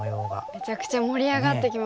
めちゃくちゃ盛り上がってきましたね。